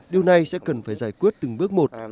điều này sẽ cần phải giải quyết từng bước một